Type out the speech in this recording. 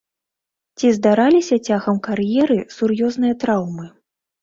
Ці здараліся цягам кар'еры сур'ёзныя траўмы?